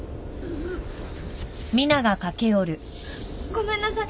ごめんなさい